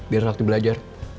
biar sakti belajar